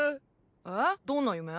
えっどんな夢？